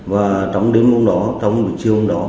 và trong đến môn đó trong buổi chiêu hôm đó